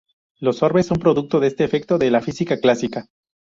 Los "orbes" son producto de este efecto de la física clásica.